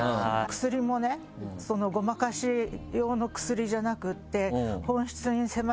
薬もねごまかし用の薬じゃなくて。